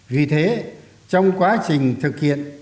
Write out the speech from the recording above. vì thế trong quá trình thực hiện